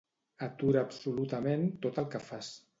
Atura absolutament tot el que fas.